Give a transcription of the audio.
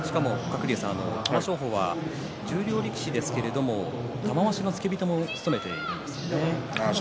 玉正鳳は十両力士ですけれども玉鷲の付け人も務めているんですね。